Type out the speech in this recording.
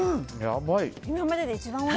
今までで一番おいしい！